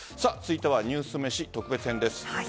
続いてはニュースめし特別編です。